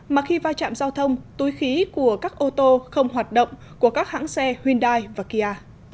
mà khi va chạm giao thông túi khí của các ô tô không hoạt động của các hãng xe hyundai và kia